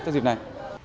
cho dịp này